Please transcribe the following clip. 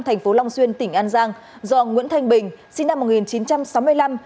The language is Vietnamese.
thành phố long xuyên tỉnh an giang do nguyễn thanh bình sinh năm một nghìn chín trăm sáu mươi năm